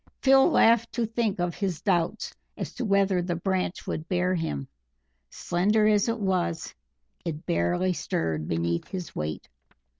Phil laughed to think of his doubts as to whether the branch would bear him; slender as it was it barely stirred beneath his weight.